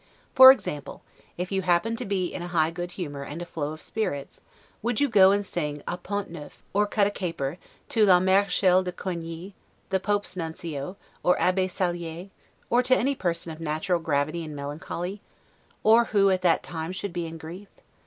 For example, if you happened to be in high good humor and a flow of spirits, would you go and sing a 'pont neuf', [a ballad] or cut a caper, to la Marechale de Coigny, the Pope's nuncio, or Abbe Sallier, or to any person of natural gravity and melancholy, or who at that time should be in grief?